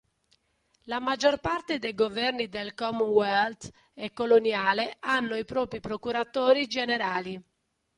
La maggior parte dei governi del Commonwealth e coloniale hanno i propri procuratori generali.